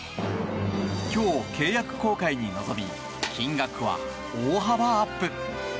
今日、契約更改に臨み金額は大幅アップ！